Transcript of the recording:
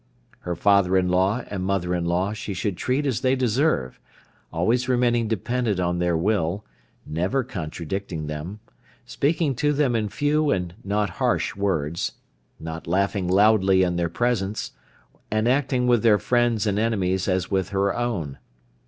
Her father in law and mother in law she should treat as they deserve, always remaining dependant on their will, never contradicting them, speaking to them in few and not harsh words, not laughing loudly in their presence, and acting with their friends and enemies as with her own.